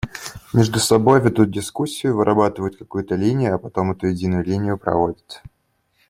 Между собой ведут дискуссию, вырабатывают какую-то линию, а потом эту единую линию проводят.